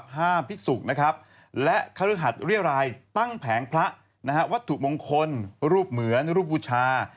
๕ห้ามพิกษุกษ์และเครื่องหัดเรียรายตั้งแผงพระวัตถุมงคลรูปเหมือนรูปบุชา